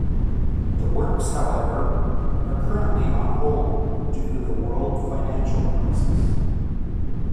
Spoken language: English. The works, however, are currently "on hold" due to the world financial crisis.